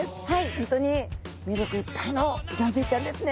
本当に魅力いっぱいのギョンズイちゃんですね。